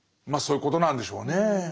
まあそういうことなんでしょうねぇ。